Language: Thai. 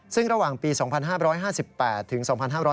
ซึ่งระหว่างปี๒๕๕๘ถึง๒๕๕๙